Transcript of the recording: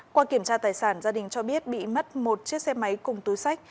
qua kiểm tra tài sản gia đình cho biết bị mất một chiếc xe máy cùng túi sách